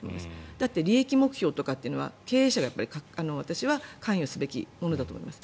だって利益目標とかっていうのは私は、経営者が関与すべきものだと思います。